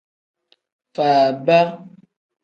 Faaba.